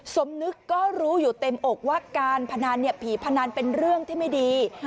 สมนึกก็รู้อยู่เต็มอกว่าการพนันเนี่ยผีพนันเป็นเรื่องที่ไม่ดี